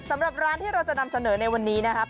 สำหรับร้านที่เราจะนำเสนอในวันนี้นะครับ